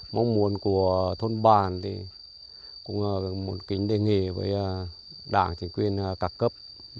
mong muốn của thôn bàn thì cũng muốn kính đề nghị với đảng chính quyền cắt cấp